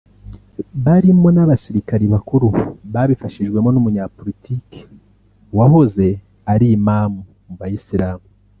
barimo n’abasirikare bakuru babifashijwemo n’Umunyapolitiki wahoze ari Imam mu Bayisilamu